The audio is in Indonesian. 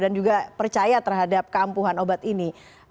dan juga percaya terhadap kampuhan obat ini